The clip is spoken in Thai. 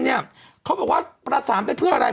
เขาบอกว่าประสานไปเพื่ออะไร